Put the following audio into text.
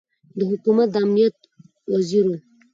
د حکومت د امنیت وزیر ؤ